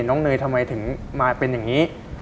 เนยทำไมถึงมาเป็นอย่างนี้